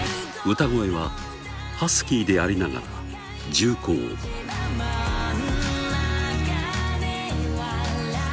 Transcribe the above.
歌声はハスキーでありながら重厚「真ん中で笑う」